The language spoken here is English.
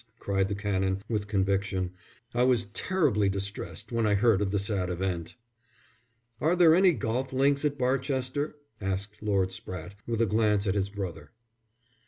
cried the Canon, with conviction. "I was terribly distressed when I heard of the sad event." "Are there any golf links at Barchester?" asked Lord Spratte, with a glance at his brother.